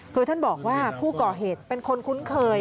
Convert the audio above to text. คือท่านบอกว่าผู้ก่อเหตุเป็นคนคุ้นเคย